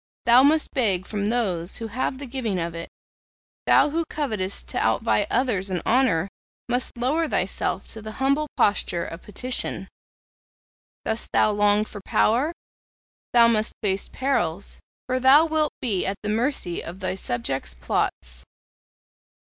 Thou must beg from those who have the giving of it; thou who covetest to outvie others in honour must lower thyself to the humble posture of petition. Dost thou long for power? Thou must face perils, for thou wilt be at the mercy of thy subjects' plots.